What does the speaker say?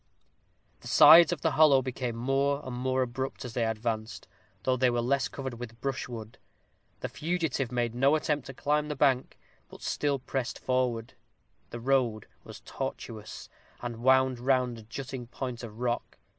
The sides of the hollow became more and more abrupt as they advanced, though they were less covered with brushwood. The fugitive made no attempt to climb the bank, but still pressed forward. The road was tortuous, and wound round a jutting point of rock.